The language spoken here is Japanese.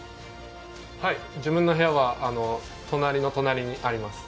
自分の部屋は隣の隣にあります。